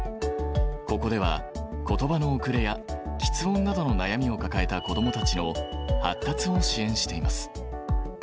ここではことばの遅れやきつ音などの悩みを抱えた子どもたちの発達を支援しています。